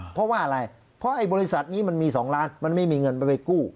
เพราะว่าอะไรเพราะไอ้บริษัทนี้มันมี๒ล้านมันไม่มีเงินไปกู้